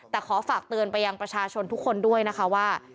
แต่ขอฝากเตือนไปยังประชาชนทุกคนด้วยนะคะว่า